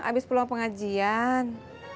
abis peluang pengajian